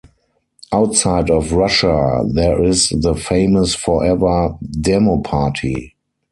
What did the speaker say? Outside of Russia there is the famous Forever demoparty.